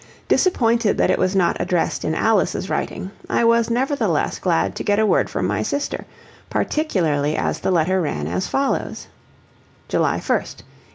Disappointed that it was not addressed in Alice's writing, I was nevertheless glad to get a word from my sister, particularly as the letter ran as follows: "JULY 1, 1875.